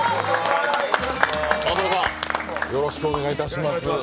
加藤さん、よろしくお願いいたします。